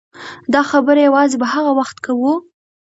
دا خبره یوازې په هغه وخت کوو.